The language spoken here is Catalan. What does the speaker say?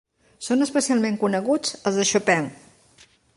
Són especialment coneguts els de Chopin.